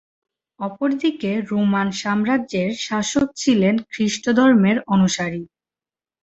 অপরদিকে রোমান সাম্রাজ্যের শাসক ছিলেন খ্রিস্টধর্মের অনুসারী।